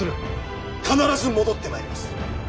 必ず戻ってまいります。